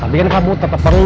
tapi kan kamu tetap perlu